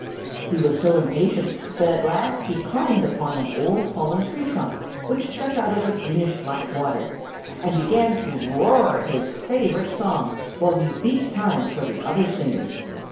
He was so impatient that at last he climbed upon an old fallen tree trunk, which stuck out of the greenish black water, and began to roar his favorite song, while he beat time for the other singers.